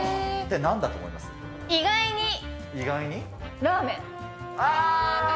意外に！